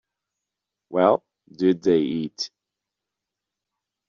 Well, did they eat.